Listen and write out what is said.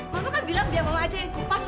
mama kan bilang biar mama aja yang kupas